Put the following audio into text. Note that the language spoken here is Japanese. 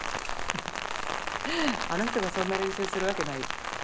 あの人がそんな練習するわけないよ。